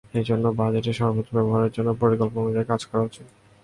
এ জন্য বাজেটের সর্বোচ্চ ব্যবহারের জন্য পরিকল্পনা অনুযায়ী কাজ করা উচিত।